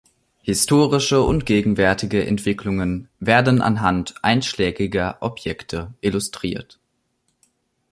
Historische und gegenwärtige Entwicklungen werden anhand einschlägiger Objekte illustriert.